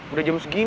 udah jam segini